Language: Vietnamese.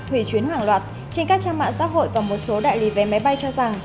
hủy chuyến hoàng loạt trên các trang mạng xã hội và một số đại lý về máy bay cho rằng